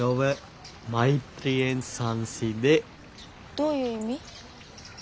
どういう意味？